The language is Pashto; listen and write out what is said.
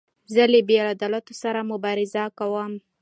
زه له بې عدالتیو سره مبارزه کوم.